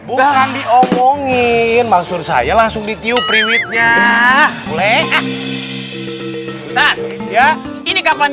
udah diomongin maksud saya langsung di tiup riwitnya boleh ya ini kapan